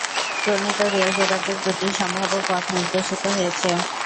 প্রণীত রেল যোগাযোগে দুটি সম্ভাব্য পথ নির্দেশিত হয়েছে।